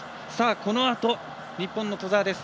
このあと、日本の兎澤です。